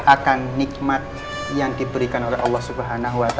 akan nikmat yang diberikan oleh allah swt